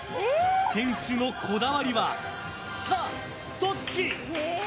店主のこだわりはさあ、どっち？